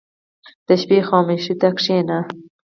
• د شپې خاموشي ته کښېنه.